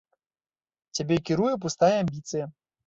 Цябе кіруе пустая амбіцыя.